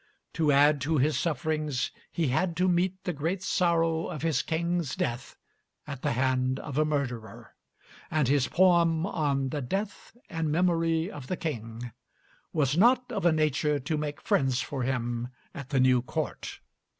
To add to his sufferings, he had to meet the great sorrow of his King's death at the hand of a murderer, and his poem on the 'Death and Memory of the King' was not of a nature to make friends for him at the new court.